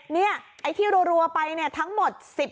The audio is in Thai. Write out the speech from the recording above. นี่ไอ้ที่รัวไปเนี่ยทั้งหมด